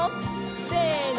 せの！